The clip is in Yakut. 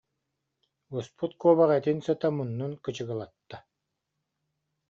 Буспут куобах этин сыта муннун кычы- гылатта